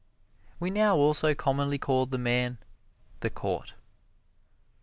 We now also commonly call the man "the Court."